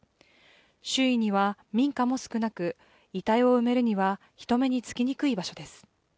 周囲には民家も少なく遺体を埋めるには人目に付きにくい場所です。